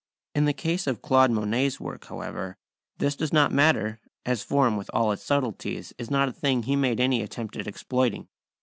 In the case of Claude Monet's work, however, this does not matter, as form with all its subtleties is not a thing he made any attempt at exploiting.